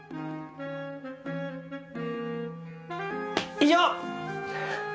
以上！